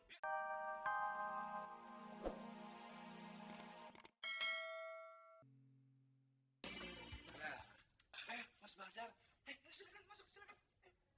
eh mas badar eh silahkan masuk